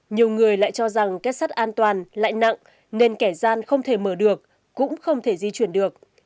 nhiều người lại cho rằng kết sắt an toàn lại nặng nên kẻ gian không thể mở được cũng không thể di chuyển được